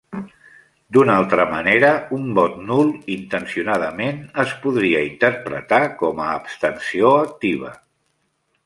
D'una altra manera, un vot nul intencionadament es podria interpretar com a abstenció activa.